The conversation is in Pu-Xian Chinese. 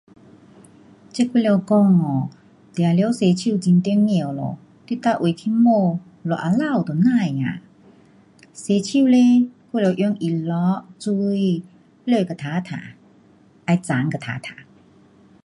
这还要讲噢,洗手当然很重要咯。去到处去摸，多肮脏都不懂呀。洗手嘞，还要用肥皂，水，擦到干净再冲到干净。